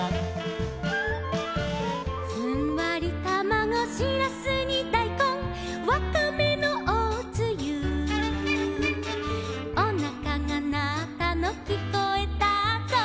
「ふんわりたまご」「しらすにだいこん」「わかめのおつゆ」「おなかがなったのきこえたぞ」